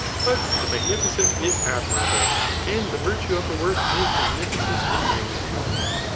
But the magnificent is admirable ; and the virtue of a work is magnificence in magnitude.